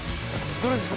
どれですか？